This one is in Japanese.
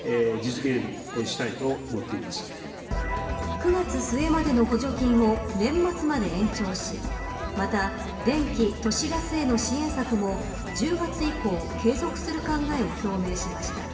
９月末までの補助金を年末まで延長しまた、電気都市ガスへの支援策も１０月以降継続する考えを示しました。